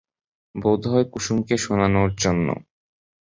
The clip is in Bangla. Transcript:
বোধ হয় কুসুমকে শোনানোর জন্য।